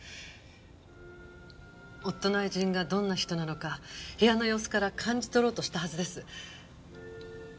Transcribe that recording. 夫の愛人がどんな人なのか部屋の様子から感じ取ろうとしたはずです。